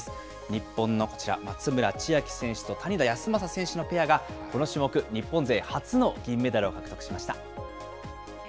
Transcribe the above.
日本のこちら、松村千秋選手と谷田康真選手のペアがこの種目、日本勢初の銀メダルを獲得しました。